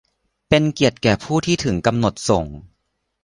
เป็นเกียรติแก่ผู้ที่ถึงกำหนดส่ง !